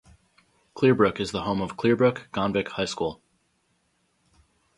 Clearbrook is the home of Clearbrook-Gonvick High School.